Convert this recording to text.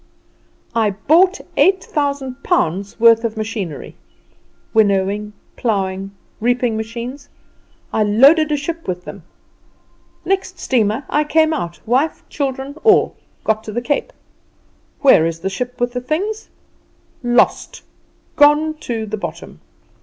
"I bought eight thousand pounds' worth of machinery winnowing, plowing, reaping machines; I loaded a ship with them. Next steamer I came out wife, children, all. Got to the Cape. Where is the ship with the things? Lost gone to the bottom!